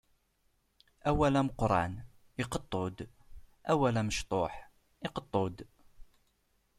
Awal ameqqran iqeṭṭu-d, awal amecṭuḥ iqeṭṭu-d.